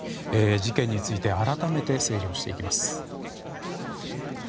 事件について改めて整理をしていきます。